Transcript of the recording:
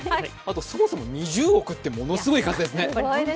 そもそも２０億ってものすごい数ですね。